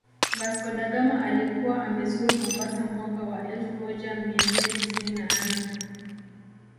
Vasco da Gama alikuwa amezuru Mombasa mwaka wa elfumoja mianne tisini na nane